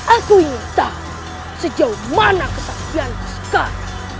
aku ingin tahu sejauh mana kesaktian sekarang